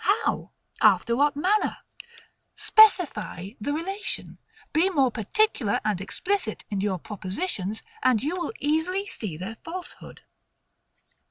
How? After what manner? Specify the relation: be more particular and explicit in your propositions, and you will easily see their falsehood.